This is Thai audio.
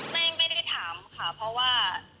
ไม่ได้ถามค่ะเพราะว่า